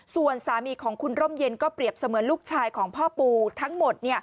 ส่วนสามีของคุณร่มเย็นก็เปรียบเสมือนลูกชายของพ่อปูทั้งหมด